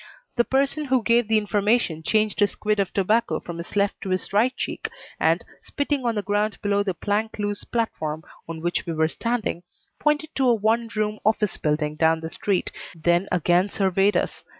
The person who gave the information changed his quid of tobacco from his left to his right cheek and, spitting on the ground below the plank loose platform on which we were standing, pointed to a one room office building down the street, then again surveyed us.